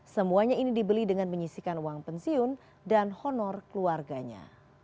semuanya ini dibeli dengan menyisikan uang pensiun dan honor keluarganya